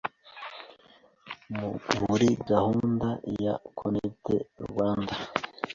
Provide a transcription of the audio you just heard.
muri gahunda ya ‘Connect Rwanda’